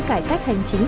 cải cách hành chính